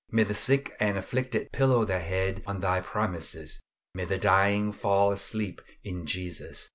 May the sick and afflicted pillow their head on Thy promises. May the dying fall asleep in Jesus.